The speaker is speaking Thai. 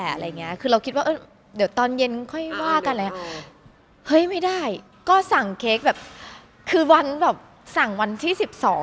๑๒แล้วให้ส่งวันนี้